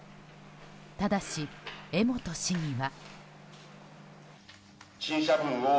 ただし、江本市議は。